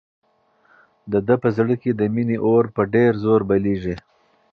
د ده په زړه کې د مینې اور په ډېر زور بلېږي.